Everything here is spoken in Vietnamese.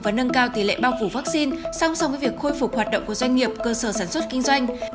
và nâng cao tỷ lệ bao phủ vaccine song song với việc khôi phục hoạt động của doanh nghiệp cơ sở sản xuất kinh doanh